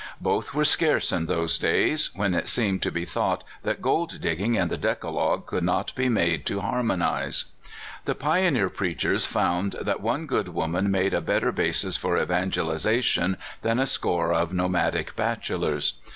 Both w r ere scarce in those days, when it seemed to be thought that gold digging and the Decalogue could not be made to harmon ize. The pioneer preachers found that one good woman made a better basis for evangelization than a score of nomadic bachelors.